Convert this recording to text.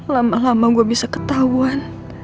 lama lama gue bisa ketahuan